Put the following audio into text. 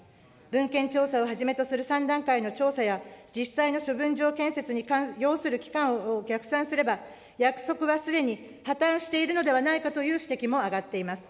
文献調査をはじめとする３段階の調査や、実際の処分場建設に要する期間を逆算すれば、約束はすでに破綻しているのではないかという指摘も上がっています。